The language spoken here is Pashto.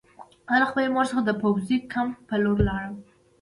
زه له خپلې مور څخه د پوځي کمپ په لور لاړم